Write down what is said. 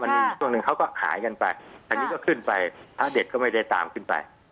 ช่วงหนึ่งเขาก็หายกันไปอันนี้ก็ขึ้นไปพระเด็ดก็ไม่ได้ตามขึ้นไป